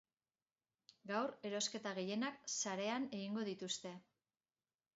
Gaur erosketa gehienak sarean egingo dituzte.